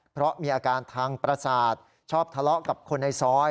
เพราะมีอาการทางประสาทชอบทะเลาะกับคนในซอย